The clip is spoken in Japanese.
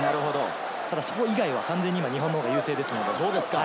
ただそこ以外は完全に日本の方が優勢です。